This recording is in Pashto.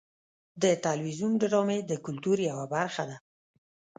د تلویزیون ډرامې د کلتور یوه برخه ده.